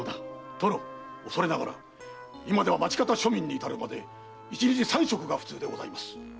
殿おそれながら今では町方庶民にいたるまで一日三食が普通です。